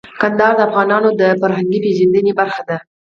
کندهار د افغانانو د فرهنګي پیژندنې برخه ده.